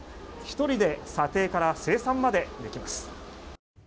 １人で査定から精算までできます。